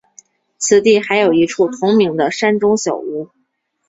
此地还有一处同名的山中小屋。